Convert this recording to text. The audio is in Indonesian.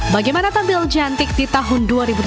bagaimana tampil cantik di tahun dua ribu tujuh belas